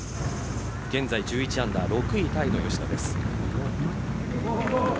現在１１アンダー６位タイの吉田です。